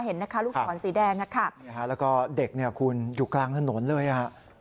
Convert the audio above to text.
เห็นนะคะลูกศรสีแดงอะค่ะแล้วก็เด็กเนี่ยคุณอยู่กลางถนนเลยอ่ะ